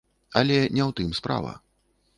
Але не ў тым справа.